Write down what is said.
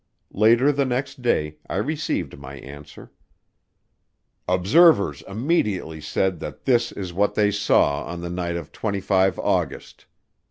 Later the next day I received my answer: "Observers immediately said that this is what they saw on the night of 25 August.